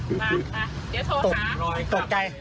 มาเดี๋ยวโทรหาตกใจ